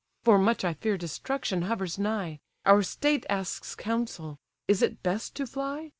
For much I fear destruction hovers nigh: Our state asks counsel; is it best to fly?